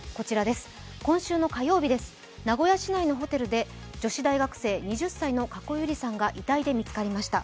今週の火曜日です、名古屋市内のホテルで女子大学生、２０歳の加古結莉さんが遺体で発見されました。